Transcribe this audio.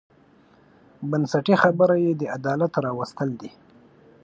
بنسټي خبره یې د عدالت راوستل دي.